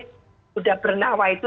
sudah bernawa itu